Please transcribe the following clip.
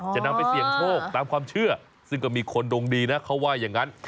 จะนำไปเสี่ยงโชคตามความเชื่อซึ่งก็มีคนดวงดีนะเขาว่าอย่างนั้น